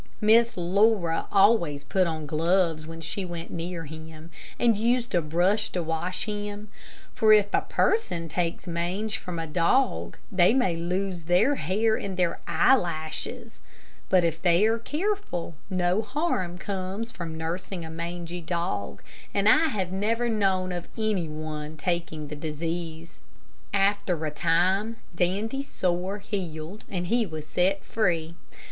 Miss Laura always put on gloves when she went near him, and used a brush to wash him, for if a person takes mange from a dog, they may lose their hair and their eyelashes. But if they are careful, no harm comes from nursing a mangy dog, and I have never known of any one taking the disease. After a time, Dandy's sore healed, and he was set free.